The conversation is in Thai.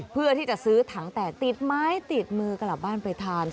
เพื่อที่จะซื้อถังแตกติดไม้ติดมือกลับบ้านไปทาน